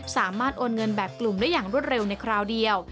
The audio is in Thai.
โอนเงินแบบกลุ่มได้อย่างรวดเร็วในคราวเดียว